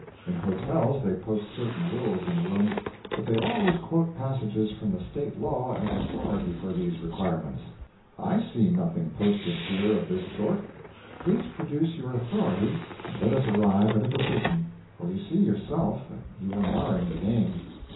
In hotels they post certain rules in the rooms, but they always quote passages from the State law as authority for these requirements. I see nothing posted here of this sort. Please produce your authority and let us arrive at a decision, for you see yourself that you are marring the game.'